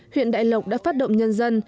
huyện đại lộng đã phát động nhân dân